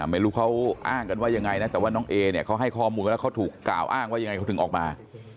ไม่รู้เขาอ้างกันว่ายังไงนะแต่ว่าน้องเอเนี่ยเขาให้ข้อมูลกันแล้วเขาถูกกล่าวอ้างว่ายังไงเขาถึงออกมา